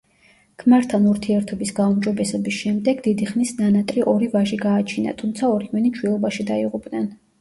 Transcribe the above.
ქმართან ურთიერთობის გაუმჯობესების შემდეგ დიდი ხნის ნანატრი ორი ვაჟი გააჩინა, თუმცა ორივენი ჩვილობაში დაიღუპნენ.